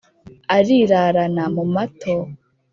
arirarana mu mato na bakuru